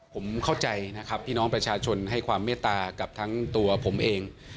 ผมเข้าใจนะครับพี่น้องประชาชนให้ความเมตตากับทั้งตัวผมเอง